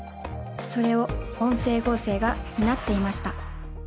それを音声合成が担っていました。